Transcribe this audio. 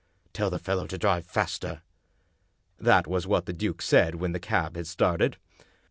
"Tell the fellow to drive faster." That was what the duke said when the cab had started.